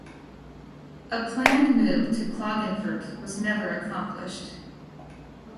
A planned move to Klagenfurt was never accomplished.